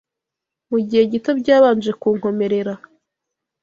Mu gihe gito byabanje kunkomerera